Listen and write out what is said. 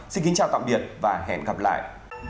xin kính chào tạm biệt và hẹn gặp lại